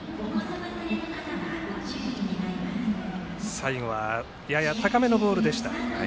最後は、やや高めのボール。